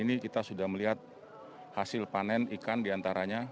ini kita sudah melihat hasil panen ikan diantaranya